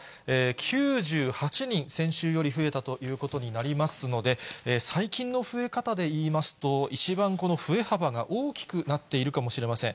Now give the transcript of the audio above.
９８人、先週より増えたということになりますので、最近の増え方でいいますと、一番この増え幅が大きくなっているかもしれません。